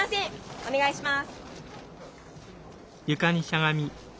お願いします。